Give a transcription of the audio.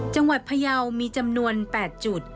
จังหวัดพะเยาว์มีจำนวน๘จุด